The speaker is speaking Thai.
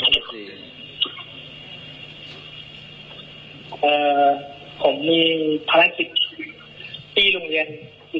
ผมมีภาระสิทธิ์ที่โรงเรียนอีกพื้นหนึ่งที่ผมจะต้องพักให้นักเรียน